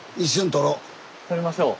とりましょう。